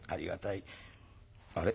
あれ？